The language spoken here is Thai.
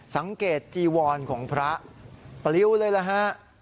สังเกตจีวรของพระปลิวเลยล่ะฮะ